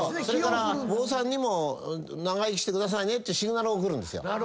それから坊さんにも長生きしてくださいねってシグナルを送るんですよ。